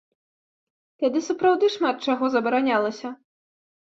Тады сапраўды шмат чаго забаранялася.